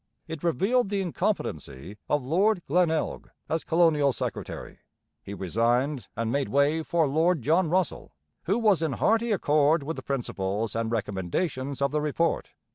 It revealed the incompetency of Lord Glenelg as colonial secretary; he resigned and made way for Lord John Russell, who was in hearty accord with the principles and recommendations of the Report.